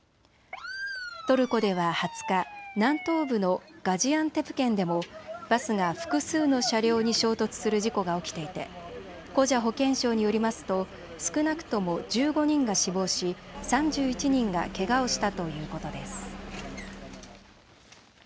トルコでは２０日、南東部のガジアンテプ県でもバスが複数の車両に衝突する事故が起きていてコジャ保健相によりますと少なくとも１５人が死亡し３１人がけがをしたということです。